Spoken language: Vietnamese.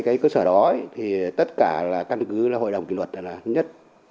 cái cơ sở đó thì tất cả là căn cứ là hội đồng kỷ luật là thứ nhất